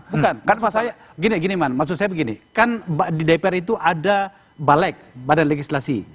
bukan kan maksud saya gini gini man maksud saya begini kan di dpr itu ada balek badan legislasi